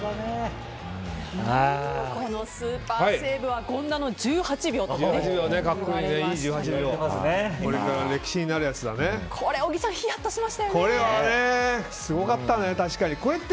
このスーパーセーブは権田の１８秒といわれまして。